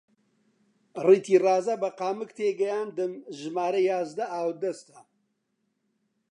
ڕیتی ڕازا! بە قامک تێیگەیاندم ژمارە یازدە ئاودەستە